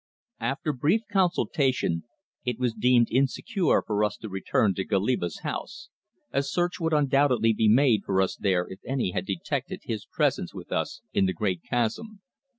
AFTER brief consultation it was deemed insecure for us to return to Goliba's house, as search would undoubtedly be made for us there if any had detected his presence with us in the great chasm.